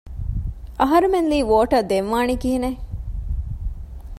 އަހަރެމެން ލީ ވޯޓަށް ދެން ވާނީ ކިހިނެއް؟